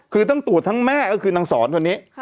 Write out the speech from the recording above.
คือต้องตรวจทั้งแม่ก็คือนางสอนคนนี้